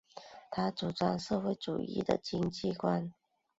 他主张社会主义的经济观。